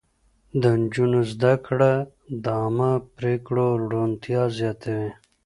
د نجونو زده کړه د عامه پرېکړو روڼتيا زياتوي.